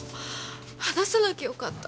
話さなきゃよかった。